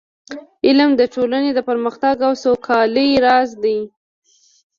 علم د ټولنې د پرمختګ او سوکالۍ راز دی.